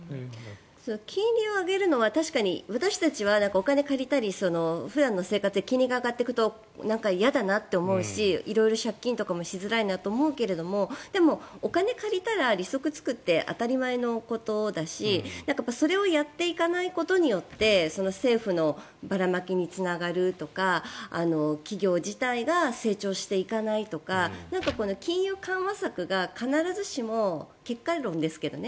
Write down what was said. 金利を上げるのは確かに、私たちはお金を借りたり普段の生活で金利が上がっていくと嫌だなって思うし色々借金とかしづらいなと思うけどでも、お金を借りたら利息がつくって当たり前のことだしそれをやっていかないことによって政府のばらまきにつながるとか企業自体が成長していかないとか金融緩和策が必ずしも結果論ですけどね。